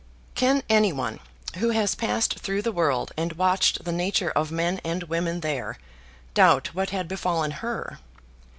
Can any one, who has passed through the world and watched the nature of men and women there, doubt what had befallen her?